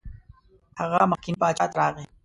هغه مخکني باچا ته راغی.